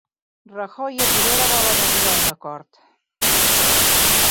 Rajoy i Rivera volen arribar a un acord